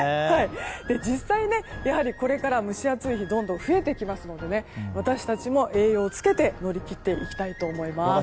実際これから蒸し暑い日がどんどん増えてくるので私たちも栄養をつけて乗り切っていきたいと思います。